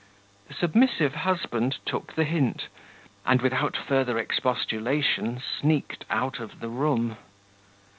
The submissive husband took the hint, and without further expostulation sneaked out of the room.